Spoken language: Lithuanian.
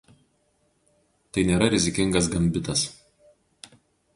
Tai nėra rizikingas gambitas.